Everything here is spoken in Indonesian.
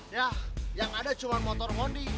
yah yang ada cuma motor mondi